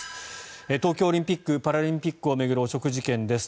東京オリンピック・パラリンピックを巡る汚職事件です。